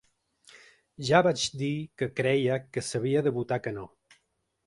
Ja vaig dir que creia que s’havia de votar que no.